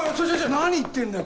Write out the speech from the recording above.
何言ってんだよ